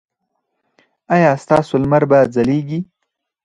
ایا ستاسو لمر به ځلیږي؟